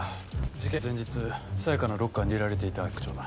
事件の前日沙也香のロッカーに入れられていた脅迫状だ。